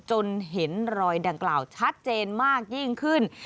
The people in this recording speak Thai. จนเห็นรอยดังกล่าวชัดเจนมากยิ่งขึ้น